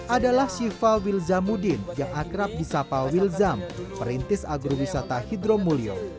adalah siva wilzamudin yang akrab di sapa wilzam perintis agrowisata hidro mulyo